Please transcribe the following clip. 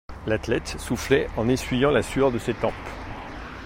L'athlète soufflait en essuyant la sueur de ses tempes.